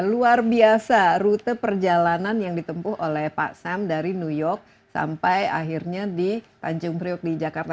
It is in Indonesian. luar biasa rute perjalanan yang ditempuh oleh pak sam dari new york sampai akhirnya di tanjung priok di jakarta